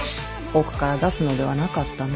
奥から出すのではなかったの。